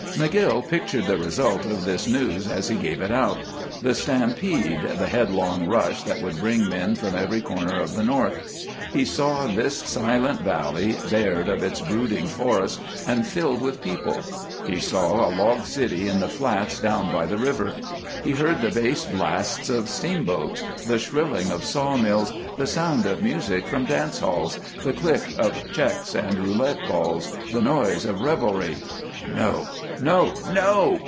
McGill pictured the result of this news if he gave it out; the stampede, the headlong rush that would bring men from every corner of the North. He saw this silent valley bared of its brooding forest and filled with people; he saw a log city in the flats down by the river; he heard the bass blasts of steamboats, the shrilling of saw mills, the sound of music from dance halls, the click of checks and roulette balls, the noise of revelry "No! No! _No!